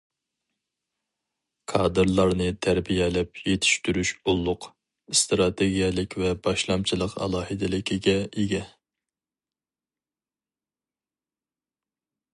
كادىرلارنى تەربىيەلەپ يېتىشتۈرۈش ئۇللۇق، ئىستراتېگىيەلىك ۋە باشلامچىلىق ئالاھىدىلىكىگە ئىگە.